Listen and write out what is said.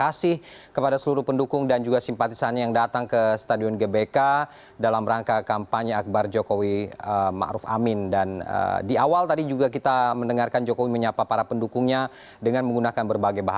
assalamualaikum warahmatullahi wabarakatuh